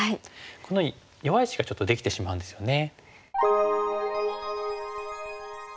このように弱い石がちょっとできてしまうんですよね。